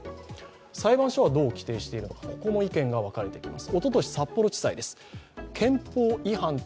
裁判所はどう規定しているのか、ここも意見が分かれてきています。